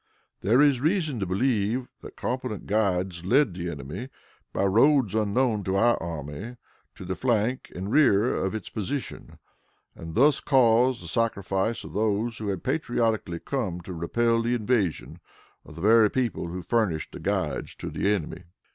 There is reason to believe that competent guides led the enemy, by roads unknown to our army, to the flank and rear of its position, and thus caused the sacrifice of those who had patriotically come to repel the invasion of the very people who furnished the guides to the enemy.